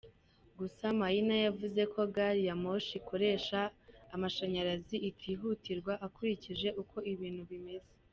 Gusa Maina yavuze ko gari ya moshi ikoresha amashanyarazi itihutirwa, akurikije uko ibintu bimeze.